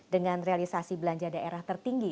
dengan realisasi belanja daerah tertinggi